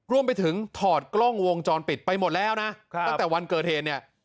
รวมไปถึงถอดกล้องวงจรปิดไปหมดแล้วนะตั้งแต่วันเกิดเหตุเนี่ย